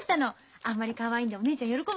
あんまりかわいいんでお姉ちゃん喜ぶと思ってさ。